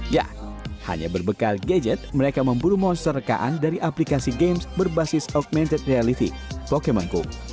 ya hanya berbekal gadget mereka memburu monster rekaan dari aplikasi games berbasis augmented reality pokemon go